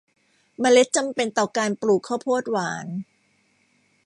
เมล็ดจำเป็นต่อการปลูกข้าวโพดหวาน